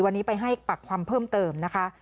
วันนี้ไปให้ปากคำเพิ่มเติมนะคะ